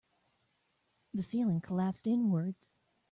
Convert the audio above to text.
The ceiling collapsed inwards.